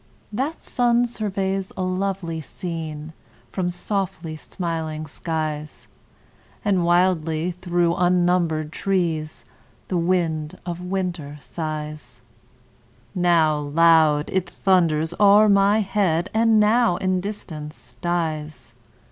That sun surveys a lovely scene From softly smiling skies; And wildly through unnumbered trees The wind of winter sighs: Now loud, it thunders o'er my head, And now in distance dies.